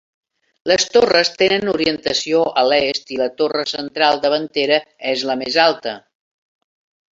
Les torres tenen orientació a l'est i la torre central davantera és la més alta.